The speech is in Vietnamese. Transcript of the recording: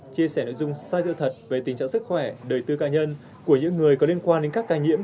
chia sẻ nội dung sai sự thật về tình trạng sức khỏe đời tư ca nhân của những người có liên quan đến các ca nhiễm